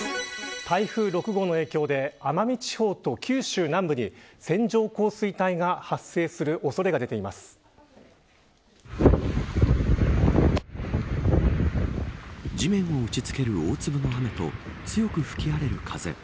台風６号の影響で奄美地方と九州南部に線状降水帯が地面を打ち付ける大粒の雨と強く吹き荒れる風。